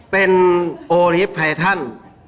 เป็นโอลิฟต์ไพทัน